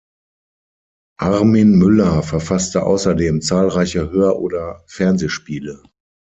Armin Müller verfasste außerdem zahlreiche Hör- oder Fernsehspiele.